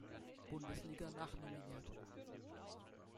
Bundesliga nachnominiert.